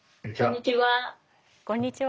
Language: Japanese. こんにちは。